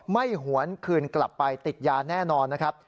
หวนคืนกลับไปติดยาแน่นอนนะครับ